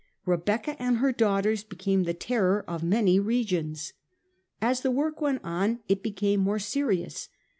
Rebecca and her daughters became the terror of many regions. As the work went on it became more serious.